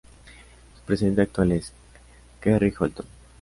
Su presidente actual es Kerry Holton.